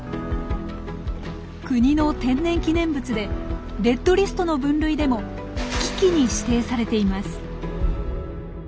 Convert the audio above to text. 国の天然記念物でレッドリストの分類でも「危機」に指定されています。